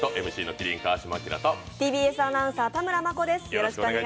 麒麟・川島明とＴＢＳアナウンサー、田村真子です。